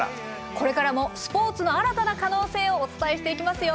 これからもスポーツの新たな可能性をお伝えしていきますよ。